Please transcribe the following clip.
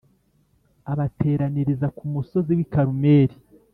abateraniriza ku musozi w’i Karumeli